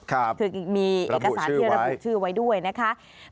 คือมีเอกสารที่ระบุชื่อไว้ด้วยนะคะรับบุชื่อไว้